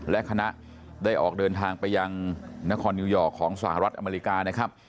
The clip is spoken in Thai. และคณะได้ออกเดินทางไปยังนครนิวยอร์กของสหรัฐอเมริกานะครับ